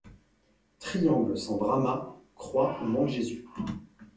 Triangles sans Brahma ! croix où manque Jésus !